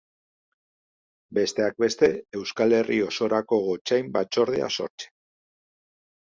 Besteak beste Euskal Herri osorako gotzain batzordea sortzea.